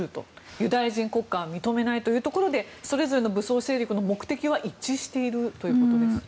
ユダヤ人国家は認めないというところでそれぞれの武装勢力の目的は一致しているということですね。